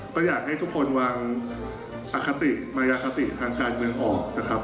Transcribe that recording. ก็อยากให้ทุกคนวางอคติมารยาคติทางการเมืองออกนะครับ